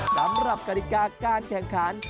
สำหรับกฎิกาการแข่งขัน